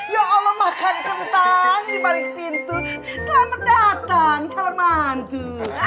ya allah makan kentang di balik pintu selamat datang tolong bantu